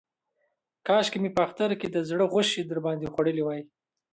کاشکې مې په اختر کې د زړه غوښې در باندې خوړلې وای.